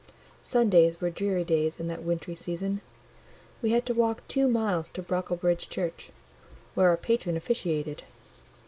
Sundays were dreary days in that wintry season. We had to walk two miles to Brocklebridge Church, where our patron officiated.